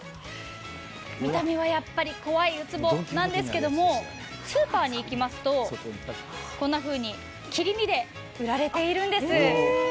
見た目はやっぱり怖いうつぼなんですけどスーパーに行きますと、切り身で売られているんです。